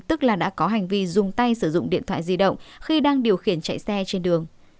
tức là đã có hành vi dùng tay sử dụng điện thoại di động khi đang điều khiển chạy xe trên đường